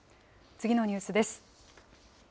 次のニュースです。